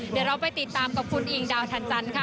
เดี๋ยวเราไปติดตามกับคุณอิงดาวทันจันทร์ค่ะ